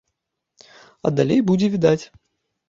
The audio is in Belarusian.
А далей будзе відаць.